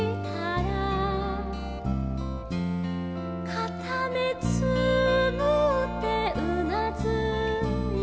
「かためつむってうなずいた」